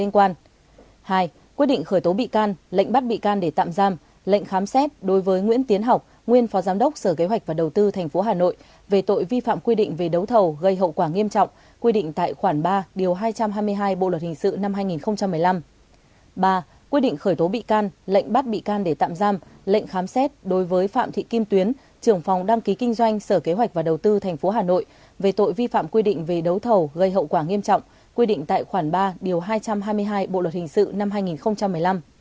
quyết định khởi tố bị can lệnh bắt bị can để tạm giam lệnh khám xét đối với lê duy tuấn giám đốc kinh doanh công ty trách nhiệm hiểu hạn đầu tư và phát triển đông kinh về tội vi phạm quy định về đấu thầu gây hậu quả nghiêm trọng quy định tại khoản ba điều hai trăm hai mươi hai bộ luật hình sự năm hai nghìn một mươi năm